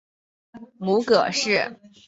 母葛氏。